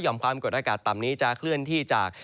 ความกดอากาศต่ำนี้จะเคลื่อนที่จาก